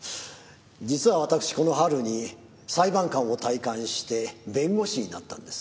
実は私この春に裁判官を退官して弁護士になったんです。